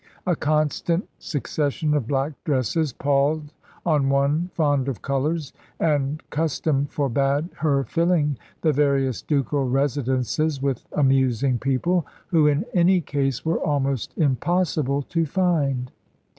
A constant succession of black dresses palled on one fond of colours, and custom forbade her filling the various ducal residences with amusing people, who in any case were almost impossible to find.